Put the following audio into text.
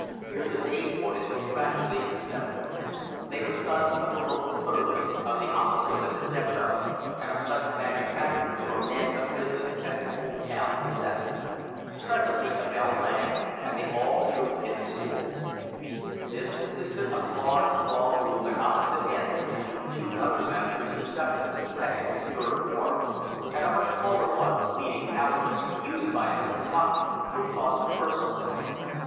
Here the day boys were gradually assembling. They were sons of the local clergy, of the officers at the Depot, and of such manufacturers or men of business as the old town possessed. Presently a bell rang, and they all trooped into school. This consisted of a large, long room at opposite ends of which two under masters conducted the second and third forms, and of a smaller one, leading out of it, used by Mr. Watson, who taught the first form.